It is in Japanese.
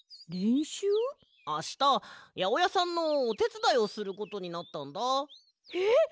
あしたやおやさんのおてつだいをすることになったんだ。えっ！？